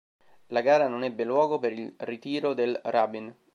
La gara non ebbe luogo per il ritiro del Rubin.